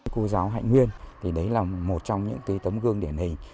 cô giáo hạnh nguyên thì đấy là một trong những tấm gương điển hình